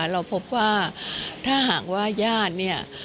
เราพบว่าถ้าหากว่าญาติเนี่ย